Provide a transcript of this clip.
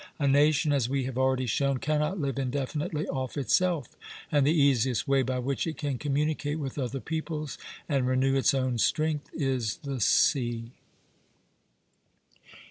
A nation, as we have already shown, cannot live indefinitely off itself, and the easiest way by which it can communicate with other peoples and renew its own strength is the sea.